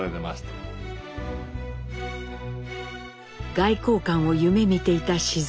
外交官を夢みていた雄。